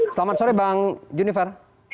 selamat sore bang junifer